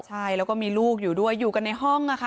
ใช่แล้วก็มีลูกอยู่ด้วยอยู่กันในห้องนะคะ